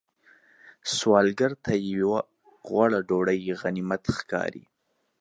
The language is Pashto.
سوالګر ته یو غوړه ډوډۍ غنیمت ښکاري